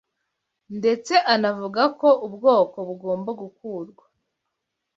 ndetse anavuga ko ubwoko bugomba gukurwa